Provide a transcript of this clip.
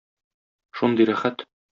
Шундый рәхәт.